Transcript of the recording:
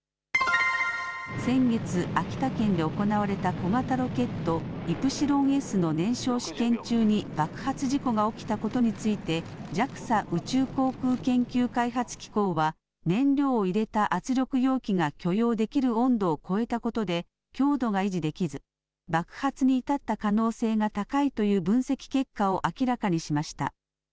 先月、秋田県で行われた小型ロケット、イプシロンＳの燃焼試験中に爆発事故が起きたことについて、ＪＡＸＡ・宇宙航空研究開発機構は、燃料を入れた圧力容器が許容できる温度を超えたことで、強度が維持できず、爆発に至った可能性が高いという分析結果を明らかにしました。